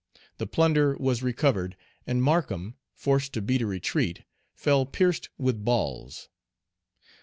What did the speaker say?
The plunder was recovered, and Markham, forced to beat a retreat, fell pierced with balls.